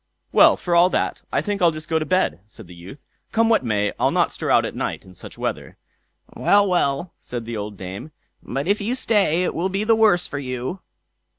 "Well, for all that, I think I'll just go to bed", said the youth. "Come what may, I'll not stir out at night in such weather." "Very well", said the old dame; "but if you stay, it will be the worse for you."